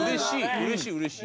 うれしいうれしい。